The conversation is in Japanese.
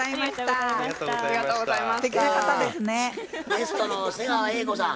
ゲストの瀬川瑛子さん。